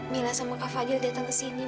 mila sama kak fadil datang kesini